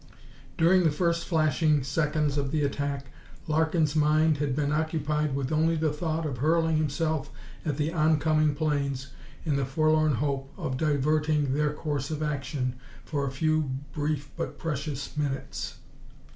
During the first flashing seconds of the attack Larkin's mind had been occupied only with the thought of hurling himself at the oncoming planes in the forlorn hope of diverting their course of action for a few brief but precious minutes.